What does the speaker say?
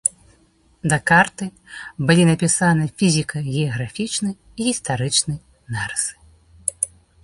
Да карты былі напісаны фізіка-геаграфічны і гістарычны нарысы.